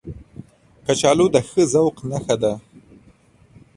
کچالو د ښه ذوق نښه ده